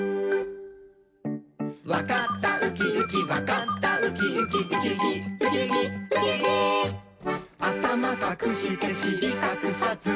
「わかったウキウキわかったウキウキ」「ウキウキウキウキウキウキ」「あたまかくしてしりかくさず」